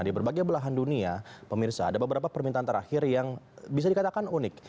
di berbagai belahan dunia pemirsa ada beberapa permintaan terakhir yang bisa dikatakan unik